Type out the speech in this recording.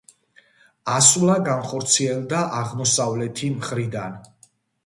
ასვლა განხორციელდა აღმოსავლეთი მხრიდან.